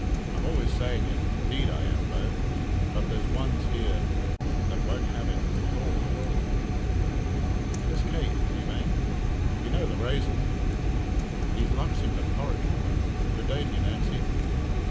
I'm always saying it. 'Deed I am, though, but there's ones here that won't have it at all, at all." "Miss Kate, you mane? We know the raison. He's lumps in her porridge, woman. Good day to you, Nancy."